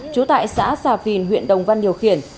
trú tại xã xà phìn huyện đồng văn điều khiển